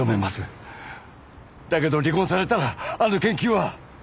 だけど離婚されたらあの研究は。